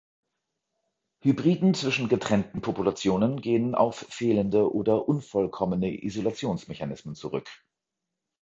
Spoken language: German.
Hybriden zwischen getrennten Populationen gehen auf fehlende oder unvollkommene Isolationsmechanismen zurück.